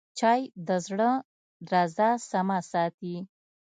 چای د زړه درزا سمه ساتي